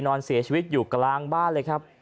นอนเสียชีวิตอยู่กลางบ้านเลยครับ